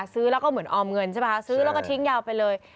ซื้อแล้วก็เหมือนออมเงินใช่ไหมคะซื้อแล้วก็ทิ้งยาวไปเลย